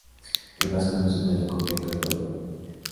El vasco Luis Otaño completó el podio.